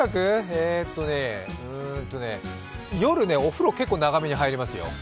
えーっとね、夜、お風呂、結構長めに入りますよ。